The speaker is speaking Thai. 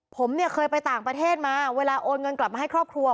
ผมเนี่ยเคยไปต่างประเทศมาเวลาโอนเงินกลับมาให้ครอบครัว